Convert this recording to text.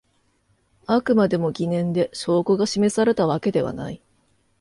あくまでも疑念で証拠が示されたわけではない